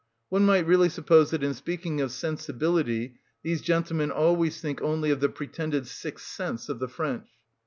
One might really suppose that in speaking of sensibility these gentlemen always think only of the pretended sixth sense of the French.